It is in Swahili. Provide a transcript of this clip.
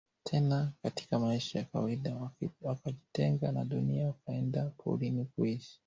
tena katika maisha ya kawaida wakajitenga na dunia wakaenda porini kuishi